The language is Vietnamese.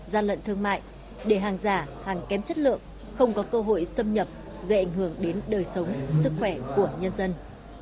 gian lận thương mại để hàng giả hàng kém chất lượng không có cơ hội xâm nhập gây ảnh hưởng đến đời sống sức khỏe của nhân dân